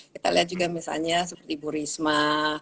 kita lihat juga misalnya seperti bu risma